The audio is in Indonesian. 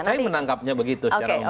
saya menangkapnya begitu secara umum